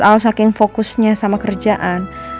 soal saking fokusnya sama kerjaan